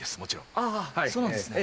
あそうなんですね。